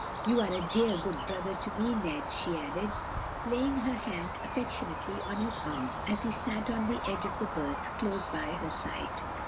You are a dear, good brother to me, Ned," she added, laying her hand affectionately on his arm as he sat on the edge of the berth close by her side.